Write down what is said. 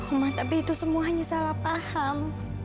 umar tapi itu semua hanya salah paham